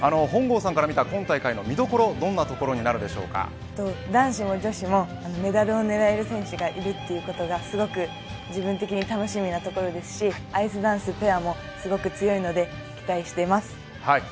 本郷さんから見た今大会の見どころ、どんなところに男子も女子もメダルを狙える選手がいるということがすごく自分的に楽しみなところですしアイスダンスペアもすごく強いので期待しています。